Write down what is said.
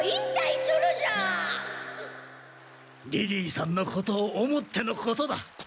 リリーさんのことを思ってのことだ。